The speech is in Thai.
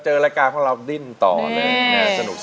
เจอรายการของเราดิ้นต่อเลย